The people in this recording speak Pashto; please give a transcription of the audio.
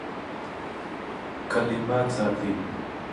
کلی پاک ساتئ